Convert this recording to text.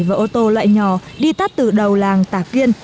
và ô tô loại nhỏ đi tắt từ đầu làng tả kiên